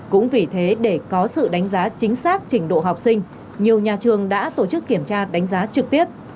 cũng vì thế để có sự đánh giá chính xác trình độ học sinh nhiều nhà trường đã tổ chức kiểm tra đánh giá trực tiếp